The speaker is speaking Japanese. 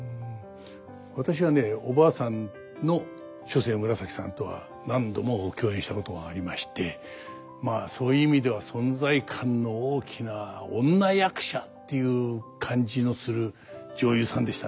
私はねおばあさんの初世紫さんとは何度も共演したことがありましてまあそういう意味では存在感の大きな女役者っていう感じのする女優さんでしたね。